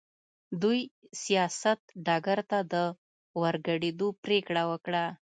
دوی سیاست ډګر ته د ورګډېدو پرېکړه وکړه.